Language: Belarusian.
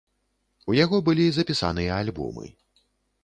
У яго былі запісаныя альбомы.